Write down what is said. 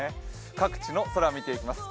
各地の空、見ていきます。